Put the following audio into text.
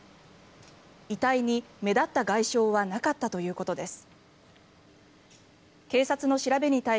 遺体に目立った外傷はなかったということです。